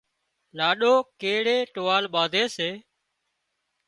لاڏو ڪيڙئي ٽووال ٻانڌي سي